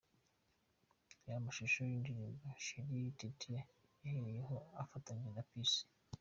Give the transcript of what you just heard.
Reba amashusho y'indirimbo 'Cheri' Titie yahereyeho afatanije na Peace.